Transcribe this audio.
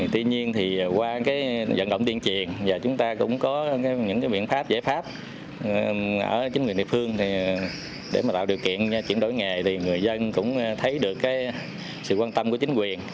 tuy nhiên thì qua cái vận động tuyên truyền và chúng ta cũng có những cái biện pháp giải pháp ở chính quyền địa phương để mà tạo điều kiện chuyển đổi nghề thì người dân cũng thấy được cái sự quan tâm của chính quyền